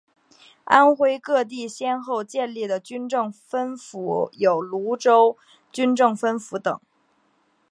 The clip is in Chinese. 安徽各地先后建立的军政分府有庐州军政分府等。